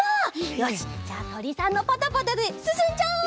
よしじゃあとりさんのパタパタですすんじゃおう！